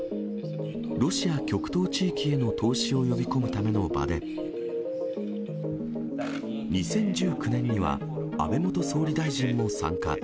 ロシア極東地域への投資を呼び込むための場で、２０１９年には安倍元総理大臣も参加。